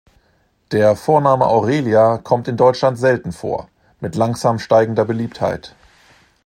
Der Vorname Aurelia kommt in Deutschland selten vor mit langsam steigender Beliebtheit.